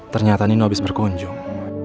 ternyata nino habis berkunjung